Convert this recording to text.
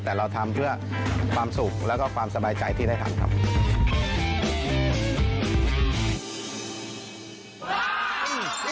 แต่เราทำเพื่อความสุขแล้วก็ความสบายใจที่ได้ทำครับ